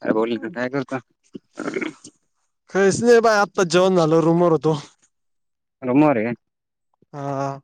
[unintelligible] काय करता काहीच नाही बाय आत्ता जेवण झालं, रूमवर होतो. रूमवर आहे काय? हा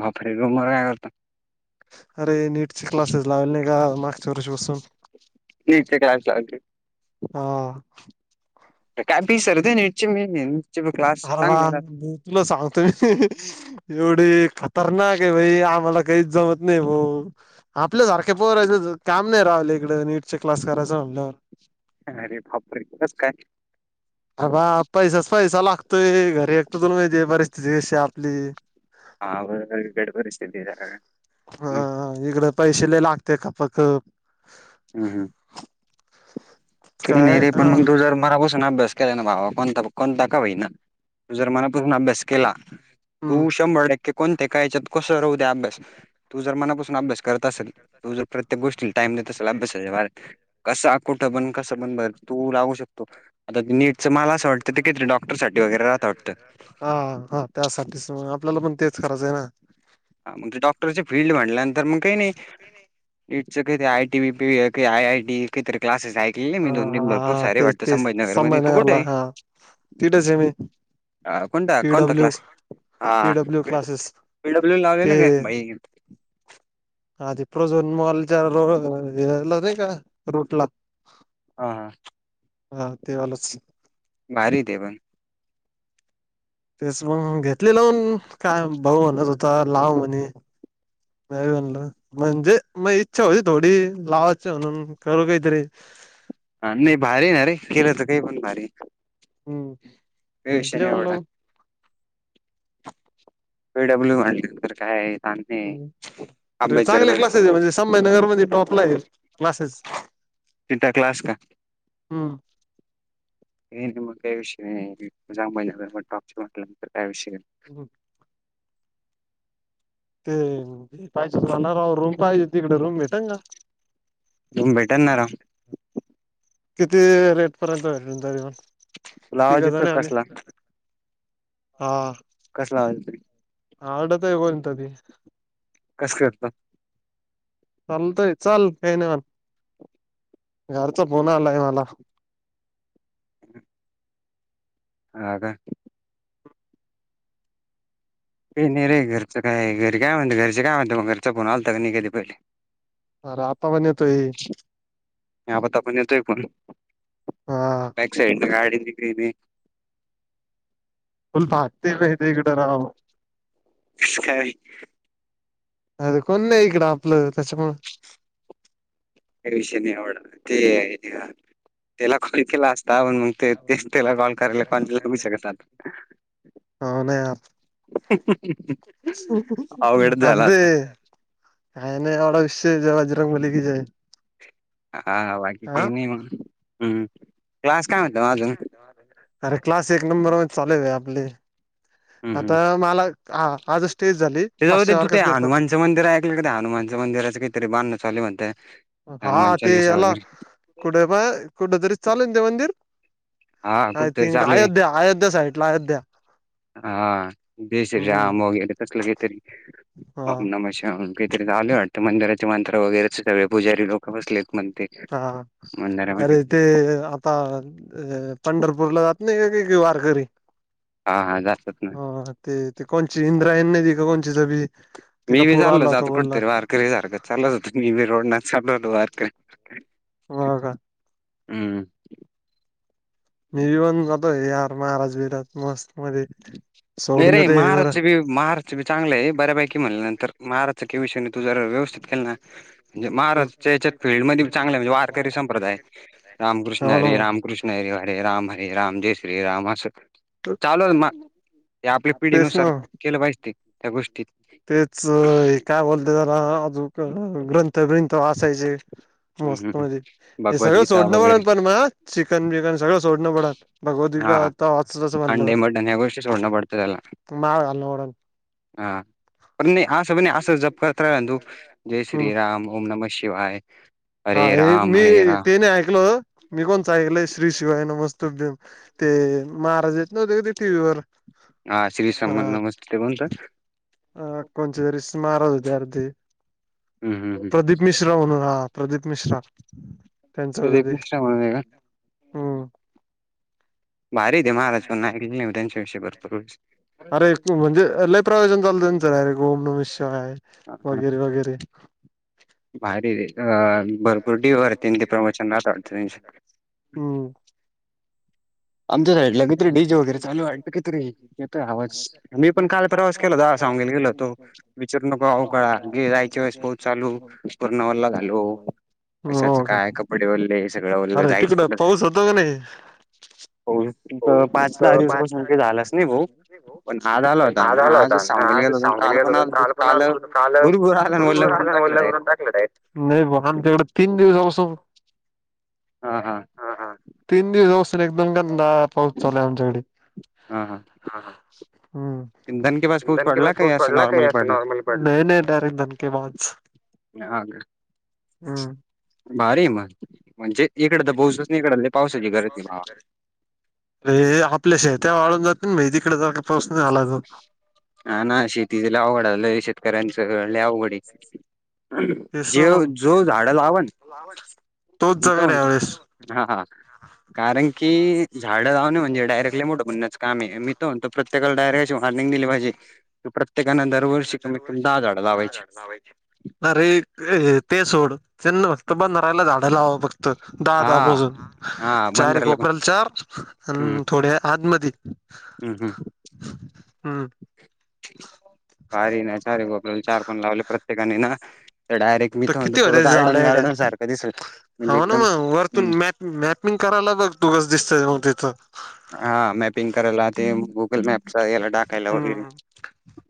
बापरे! रूमवर अरे, नीटची क्लासेस लावले नाही का, मागच्या वर्षीपासून? नीटचे क्लास लावायचे. हा काल ते सर नीटचे म्हणे, [unintelligible] क्लास अरे वा चांगले राह भाऊ तुला सांगतोय एवढे खतरनाक आहे भाई, आम्हाला काहीच जमत नाही भाऊ. आपल्या सारखे पोराचं काम नाही राव, इकडे नीटचे क्लास करायचं म्हल्यावर. [unintelligible] अर बा पैसाच पैसा लागतोय, घरी एकतर तुला माहितय परिस्थिती कशी आपली. हा [unintelligible] बिकट परिस्थिती लका घरात. हा, हिकडं पैसे लय लागते खपाखप. हम्म हम्म, ठीकय काय रे पण अ मग तु जर मनापासून अभ्यास केला ना भावा, कोणता कोणता का होईना, तु जर मनापासून अभ्यास केला हम्म तू शंभर टक्के, कोणत्या काहीच्यात कशाव राहूदे अभ्यास तू जर मनापासून अभ्यास करत असेल, तू जर प्रत्येक गोष्टीला टाईम असलं अभ्यासाच्या [unintelligible] कसा कुठं पण कसं पण भर तू राहू शकतो, आता नीट असं मला असं वाटतं ते कितीरी डॉक्टर साठी वगैरे राहता वाटतं. हा हा त्यासाठीच, मग आपल्याला पण तेच करायचं आहे ना. हा, मग ते डॉक्टरची फील्ड म्हणल्यानंतर मग काही नाही काय नाय ईटच किती, आयटी, वीपीवी, आयआयटी, किती तरी क्लासेस ए लेले, मी हा दोन तीन हा भरपूर हा सारे तेच तेच वाटतं तेच मला. संभाजीनगर मध्ये, तू कुठे संभाजीनगरला आहे? हा तिथेच आहे मी हा कोणता कोणता पीडब्ल्यू क्लास? हा हा पीडब्ल्यू क्लासेस पी डब्ल्यू ते लावलेला का भाई हा, ते प्रोझोन मॉलच्या रो ह्याला नाय का रूटला हा हा तेवालंच भारी दे पण तेच मग घेतलेलंून काय भाऊ म्हणत होता लाव म्हणे बल म्हणजे मग इच्छा होती थोडी लावाची म्हणून करू काहीतरी हा नाही भारी ना अरे केलं तर काही पण भारी हम् हे शन एवढा पीडब्ल्यू मल्यानंतर काय ताण नाही अरे अभ्यास जर चांगले क्लासेस आहे म्हणजे संभयनगर म्हणजे टॉपला आहे क्लासेस तिनटा क्लास का हम्म हे मग गा विशग मज बहिज टॉप सनला गा विशगं हो ते पाहिजेणारवर रूम पाहिजे तिकडे रूम भेटंगा तुम बेटर नाम किती रेट पर्यंत भेटून तरीन तुला आवाज ठीकज येतो ना आम्ही कसला हा कसला हल तरी हडता हगोयंतदी कस करत चालतय चाल काही नाही मण घरचा फोन आलाय मला ह का ए नाही रे घरचं काय घरी काय म्ह घरी काय म्ह मग घरचा पण आल का शिकलेली पहिले अर्थात म्हन तोय ता आपण येतोय पण हा बॅक साईड गाडी निघाली नाही स्वलप हत्ते आहे गिड राव का अरे कोण नाही इकडं आपलं त्याच्या प या विषय नाही आवडला ते त्याला कॉल केला असताण मग ते ते त्याला कॉल करायला कॉण बगू शकतात हो ना या अवघडच अ झाला आता काय नाहीये विश्राम बजरंग मल्लीिकीय हा बाकी काही नाही मग हम्म क्लास काय म्हणतो अजून अरे क्लास एक नंबर चाले आपले हम्म आता मला आज स्टेज झाली ते जाऊ दे पाचशे तू ते वर्गाच पेपर हनुमानचं मंदिर एकक कण हानु माण मंदिराे क तरी बाध चालय हा ते याला कुठे म कुठ तरी चालेल ना ते मंदिर हा य कुठतरी थिं चालू आहे अयोध्येअयोध्ये्या साईडला अयोध्या हा बेस कॅम्प हम्म आम होग कसलगेतरी हा हो नमन आले वाटतें मंदिराचे मंत्र वगैरेचे सगळे पुजारी लोक बसले म्हणते हा मंदिरामध्ये अरे ते आता अ पंढरपूर ला जात नाही का वारकरी हा हा ज हा ते कोणची इंद्रायणीच्या नाही दि का कोणची ज बी तिला पूर आला होता बोलला े सारखं चालत होत मी ब रोड चाल होतार हो का हम्म मी पण जतो आहे यार महाराज बराज मस्त मध्ये सोडून नाहीरे देतो हे बर महारच बी महारांची चांगलं आहे बऱ्यापैकी म्हलं नंतर महाराचा काही विषयने तू ज व्यवस्थित केला ना म्हणजे महाराज्रच्या याच्यात फीलल्डमध्येध्ये चांगले म्हणजे वारकरी संप्रदाय रामकृष्ण हो ना हरे मग रामकृष्ण री हरे राम हर राम जय श्री राम हस [inaudible] त्या आपल्या तेच पिढीनुसार ना केलं पाहिजते त्या गोष्टीत तेच काय बोलते जला अजून ग्रंथ बिथ असायचे हम्म हम्म, मस्त हम्म. म्हणे हे सगळं भगवद्गीता सोडणं वगैरे पडल पण म चिकन बिकन सगळं सोडणं पडात भगवती हा काताच असं अंडे म्हणल्यावर मटण ह्या गोष्टी सोडणं पडतं त्याला माव घाल म्हडून हा पण नाही असं ब असं जप करत रा तू जय हम्म श्री राम ओम नमस्कार शिवाय हा हरे हे राम मी हरे राम ते नाही ऐकलो मी कोणचं ऐकलय श्री शिवाय नमस्ते त ते महाराज येत नव्हते क ते टी व्हीवरर हा श्रीसम नमस्ते ते बोलणत अ कोणच्या तरी महाराज होते अदी हम्म हम्म हम्म. प्रदीप मिश्रा म्हणून आहात प्रदीप मिश्रा होत रीप ते मिश्रा म्हणून आहे का हम्म भारी आहेे महाराजून नाऊ त्यांच्या विषय बरतो अरे म्हणजे लही प्रवेशन चालतं ना स अरे गोम न मिशय हा, हा. वगैरे वगैरे भारी र अ भरपूर डीवरते ते प्रमोशन नात होम आमच्या साईडला किती रे डीजे वगैरे चालू आहे कि र आवाज मी पण काल प्रवास केला जा सांगेला गेल तो विचारू नको अवकाळा गे जायच्या वेळेस पोच चालू पर्णावाला घालो पैशाचं हो का काय कपडे ओले हे सगं ओलं अरे जायचं तिकडं पाऊस होतो का नाही हो हो पाच भाऊ पण आज आला पण होता आज आणि आला होता आजच सांगलीला आज गेलो होतो आणि सांगली काल गेला पण होता आलतो काल तर पणा काल भुरभुर आला आणि वल्ल करून टाकलं डायरेक्ट भून टाकलं [inaudible] हा हा ह ह तीन दिवससून एक दोन कांदा पाऊस चालूय आमच्याकडे हा हा दणकेबाज पाऊस इंधन के पडला काय बसूनच असं पडला नॉर्मल का पडला नॉर्मल नाय नाय डायरेक्ट दणकेबाज ह हम् भारी मण म्हणजे इकड तर बहसच इकड पावसाची गरज नाही बाबा अ आपल्या शेत वाळून जातात म तिकडे जा पासून नाही आलाज हा ना शेतीला आवघड आलं शेतकऱ्यांच अवघड तेच जे ना मग. जो झाड लावा ना तोच मी तर जगन म्हणतो यावेेळेस हा हा कारण की झाडं जाऊणे म्हणजे डायरेक्टली मोठं म्हण काम मी प्रत्येकाला डायरेक्टची वॉर्नि दिली पाहिजे तो प्रत्येकाना दरवर्षी कमीत कमी दादड लावायची वायच नर ते सोड त्यांना मक्त बध रायला झाडा लावावं फक्त दहा हा दहा मोजून हा चार बंदराला पण कोपरल चार अ थोडे आज मध हम् हम् हम्म पारी ना चार वापर चार पण लावले प्रत्येकाने ना तर डायरेक्ट तर मीथ म्हणत किती पूर्ं होत्या झाड गार्डन एड्या गार्डन सारखं दिसत म्हणजे हो ना एकदम मग हम वरतून मॅप मॅपिंग करायला बघ तु गस दिसतय मग तिथं हा मॅपिंग करायला ते गुगल मॅपच याला टाकायला वगैरे हम्म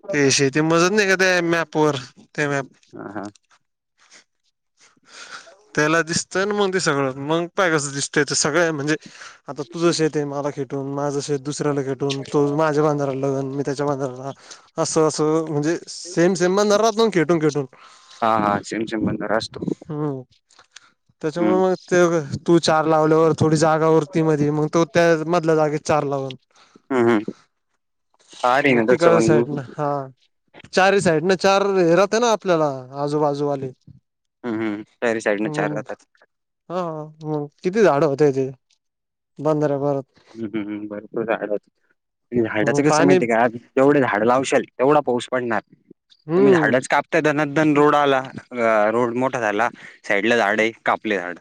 ते शेती मजत नाही का त्या मॅप व त्या मॅप ह हा त्याला दिसतंय मग ते सगळं मग पाय कसं दिसतय ते सगळं म्हणजे आता तुझं शेत आहे मला खेटून माझं शेत दुसऱ्याला खेटून त माझ्या बांधाराला लगन त्याच्या बंदरला असू असं म्हणजे सेम सेम बधर राहात ना खटून खेटून हम्म त्याच्यामुळे हं. मग ते तू चार लावल्यावर थोडी जागावररती मध्ये मग तो त्या मधल्या जागे चार लावून हं, हं. पहाड आहे म ना कराय त्याच्यावरून हं, साईड ना हा चार ह साईड ना चार हे राहात आहे ना आपल्याला आजूबाजूवाली हं. शहरी साईडनं चार हम्म राहतात. हा मग किती झाड होते ते बंदऱ्या परत हम् हम् बरपर झाड झाडाच मग कसं पाणी माहिती आहे का आज. जेवढे झाड लावशल तेवढा पाऊस पडणार. तुम्ही हम्म झाडच कापताय धनादन रोड आला रोड मोठ. झाला साईड ला झाड आहे कापले झाड.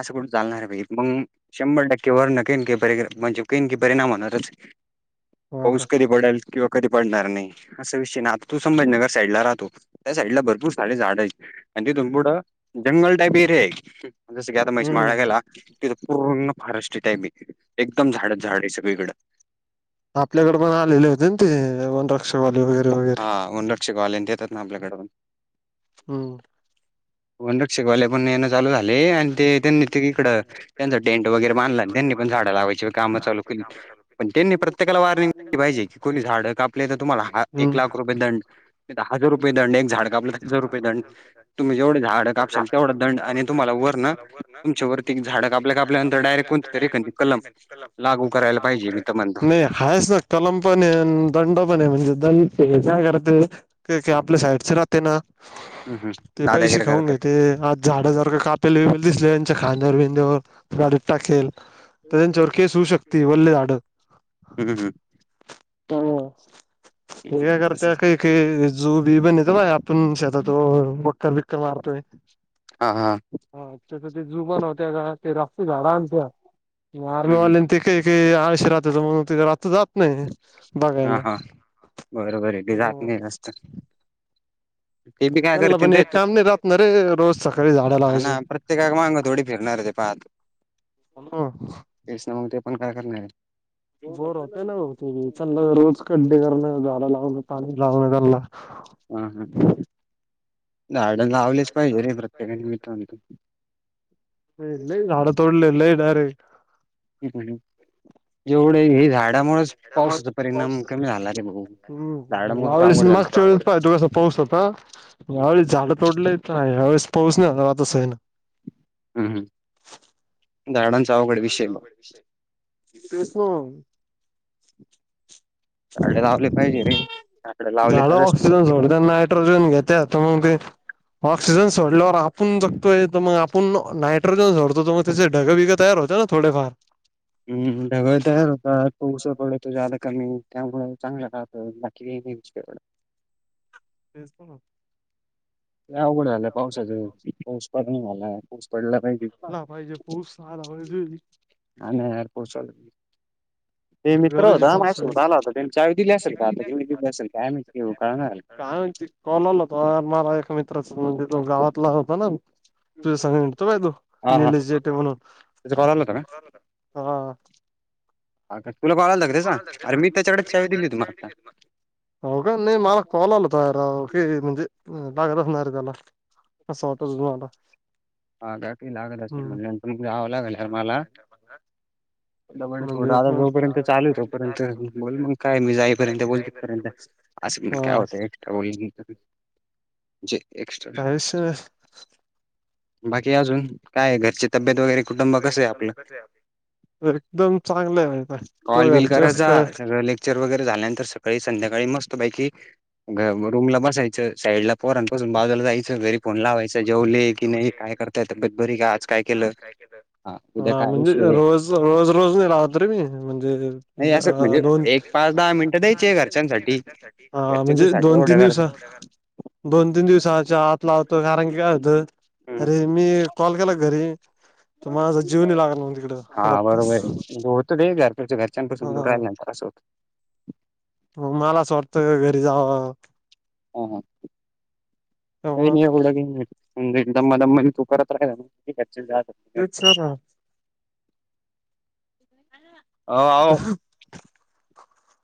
असं कुठं चालणार मग शंभर टक्के वर काही ना काही. म्हणजे कही की बरे नाम होणारच हो का पाऊस कधी पडाल किंवा कधी पडणार नाही. असा विषय ना अन तिथून पुढे जंगल टाईप एरिया आहे, जस की आता म्हैस माळला हम्म गेला तिथं पूर्ण फारेस्ट टाईप आहे. एकदम झाडच झाड आहे सगळीकडें, आपल्याकडे पण आलेले होतेन ते वन र सवाली वगैरे व्हैल, हा वनरक्षक वालें ते येतात ना आपल्याकडे पण, हम्, व शिककवाले पण यें चालू झाले आणि ते त्यांनी ते इकडं त्यांचा टेंट वगैरे बांधला आणि त्यांनी पण झाडं लावायची काम चालू केली पण त्यांनी प्रत्येकाला वॉर्निंग केली पाहिजे की कोणी झाडं कापले तर तुम्हाला ह एक हम्म लाख रुपये दंड दहा हजार रुपये दंड एक झाड कापलं दहा हजार रुपये दंड तुम्ही जेवढ झाडं कापल तेवढा दंड आणि मला वर तुमच्यावरती झाडं झाडे कापल्या कापल्यानंतर कापल्या डायरेक्ट कापल्या कोणती नंतर तरी डारेक्ट एखादी कलम ब. लाग लागू करायला पाहिजे नाही मी तर म्हणतो. तुम्ही. हाच ना कलम पण आहे दंड पण आहे म्हणजे दंड काय करते. आपल्या साईडच राहते ना हम्म हम्म ते पैसे दादागिरी खाऊ घे करतात. ते आ. झाड जारखं कापेल विपेल दिसले त्यांच्या खांद्यावर बिंद्यावर गडीत टाकेल. तर त्यांच्यावर केस होऊ शकते वल्ले धाडत, हम्म हम्म ह ह हे काय करता तसंच काही काही झु बी पण येत बघा आपण शतात तो मोठा विट मारतोय, हा हा, हा त्याच ते झू बनव्हत्या गा ते राप्ती झाड आणत्या आर्मी हम्म हम्म वल्यान ते, अळशी रातत म्हणून ते रात्र जात नाही, हा बघायला हा बरोबर आहे. ते जात नाही जास्त, ते बी काय त्यांना पण करतीन रे एक तू, काम नाही राहत ना रे रोज सकाळी झाडं लावायचे. हाना प्रत्येकाचा मांग थोडी फिरणार हे ते, पात, हम्, तेस ना मग ते पण काय करणार हे, बोर होत ना हो ते भी सल्लग, रोज खड्डे करण झाडं लावण पाणी लावण त्यानला, झाड लावलेच पाहिजे रे प्रत्येकाने मित्रानो, लई झाड तोडले लइ डायरेक्ट, हम् जेवढे हे, झाडामुळेच पावसाचा [inaudible] परिणाम पाऊस कमी झाला रे भाऊ झाडामुळेच अवघड झालं. होता यावेेळेस झाड तोडलं, हईत ना यावेेळेस पाऊस नाही हवा तसा इन, हम् ह झाडां तेच ना मग, झाड लावले पाहिजे रे, झाडं लावले तरच टिकू, घेत मग ते ऑक्सिजन सोडल्यावर आपण जगतोय तर मग आपण. नायट्रोजन झोडतो मग तेचे ढग बिग तयार होत ना थोडेफार. हम्म ढगळ तयार होत त उस पडले जादकामी कमी त्यामुळे चांगला राहतो. कि विच तेजत ना अवघड झालंय पावसाचं पाऊस पड नाही झाला पाऊस पडला पाहिजे ह पाहिजे बो स आणि नाही यारपोर्चल ते मित्र गरज आहे होता आम पावसाची. होत आला होता त्यांनी चाय दिली काय असेल का आता कि दिली असेल काय म कणार काय म्हच कॉलल होत मला एका मित्राच म्हणजे तो गावातला होता ना तुझ सांग तो बाय तो हा हा निलेश जेठे त्याचा म्हणून कॉल आला हा ह का तुला कळायला लाग त्याचा अर मी त्याच्याकडे चावी दिली तुमला आता हो का नाही मला कॉल आला तयार की म्हणजे लागतचणार रे त्याला असं वाटोजूनवाला हा ग लागत असेल म्हण तु जावं लागेलर मला दमाण थोड म्हणजे आजचं पण, झोपू, त्याचं चालू हे तो पर्यंत बोल मग काय मी जाईपर्यंत बोल तीथपर्यंत आस पण काय हा होत एक्स्ट्रा बोल जे एक्स्ट्रा. तर. बाकी अजून काय घरची तब्येत वगैरे कुटुंब कसं आहे आपलं. एकदम चांगलं आहे माहि तू घरचे कस काय िक्चर वगैरे झाल्यानंतर सकाळी संध्याकाळी मस्त बाैकी रूम ला बसायचं साईडला पोरांपसून बाजूला जायचं घरी फोन लावायचं जेवले की नाही काय करताय तर बरी का आज काय केलं हा उद्या काय वियषय रोज रोज नाही राहत रे मी म्हणजे नाही असं म्हणजे दोन एक पाच दहा मिनिटं द्यायचे घरच्यांसाठी हा घरचे म्हणजे तुझ्यासाठी दोन तीन एवढं दिवस दोन तीन दिवसाच्या आत ला होतो कारण की करता काय होतं हा अरे मी कॉल केला घरी तर माझा जीव नाही लागला मग तिकडं हा वापस बरोबर आहे त ते घरपच्या हा घरच्यापासूनूरहिल्यानंतर असं होत मला स्वडत घरी जाव ह ह त्यामुळं म्हजे दम दम तु करत राहि तच हो हो